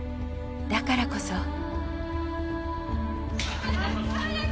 だからこそ。